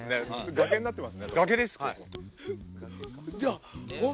崖になってますね。